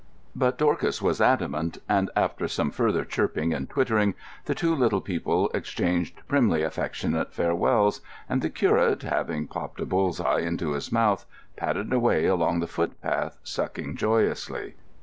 But Dorcas was adamant; and after some further chirping and twittering, the two little people exchanged primly affectionate farewells, and the curate, having popped a bull's eye into his mouth, padded away along the footpath, sucking joyously.